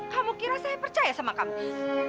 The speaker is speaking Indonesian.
kamu kira saya percaya sama kamu